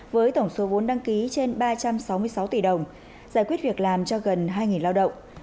với tổng số vốn đăng ký trên ba trăm sáu mươi sáu tỷ đồng giải quyết việc làm cho gần hai lao động